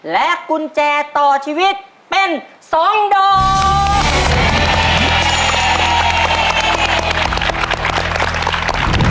และกุญแจต่อชีวิตเป็น๒ดอก